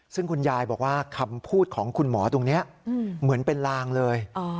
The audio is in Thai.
ซึ่งคุณยายบอกว่าคำพูดของคุณหมอตรงนี้เหมือนเป็นลางเลย